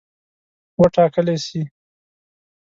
وټاکلي سي.